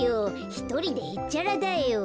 ひとりでへっちゃらだよ。